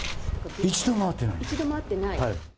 一度も会ってない？